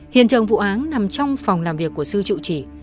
hiện trường vụ án nằm trong phòng làm việc của sư trụ trì